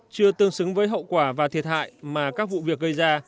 chưa tương xứng với hậu quả và thiệt hại mà các vụ việc gây ra